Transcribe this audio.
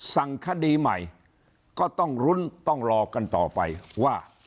สั่งคดีใหม่ก็ต้องลุ้นต้องรอกันต่อไปว่า